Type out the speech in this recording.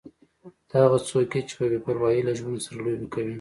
ته هغه څوک یې چې په بې پروايي له ژوند سره لوبې کوې.